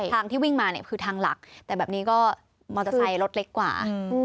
ทางที่วิ่งมาเนี่ยคือทางหลักแต่แบบนี้ก็มอเตอร์ไซค์รถเล็กกว่า